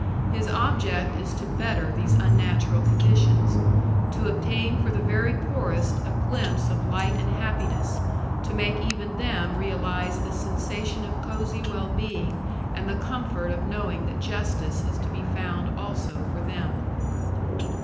His object is to better these unnatural conditions, to obtain for the very poorest a glimpse of light and happiness, to make even them realise the sensation of cosy well being and the comfort of knowing that justice is to be found also for them.